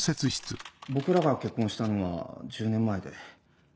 僕らが結婚したのは１０年前で。